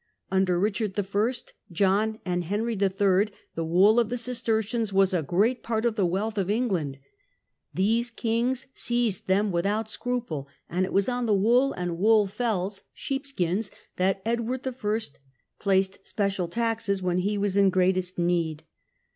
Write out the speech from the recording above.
Under Richard I., John, and Henry III. the wool of the Cistercians was a great part of the wealth of England; these kings seized them without scruple, and it was on the wool and wool fells (sheepskins) that Edward I. placed special taxes when he was in greatest need.